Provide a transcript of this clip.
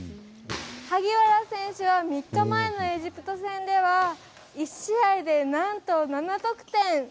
萩原選手は３日前のエジプト戦では１試合で、なんと７得点！